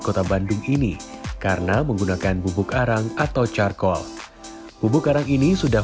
kota bandung ini karena menggunakan bubuk arang atau carkol bubuk arang ini sudah